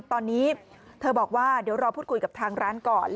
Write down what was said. ตอนนี้เธอบอกว่าเดี๋ยวรอพูดคุยกับทางร้านก่อน